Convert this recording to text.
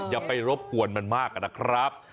อย่าไปรบกวนมันมากนะครับ